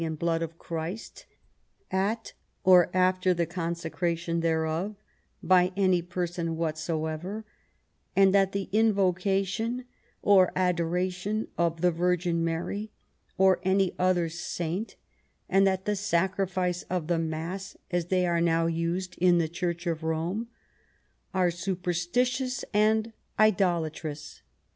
and blood of Christ at or after the consecra tion thereof by any person whatsoever; and that the invocation or adoration of the Virgin Mary or any other saint, and that the sacrifice of the Mass — as they are now used in the Church of Home — are superstitious and idolatrous.